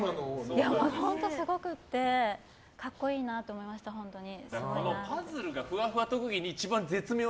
本当すごくて格好いいなと思いました本当に。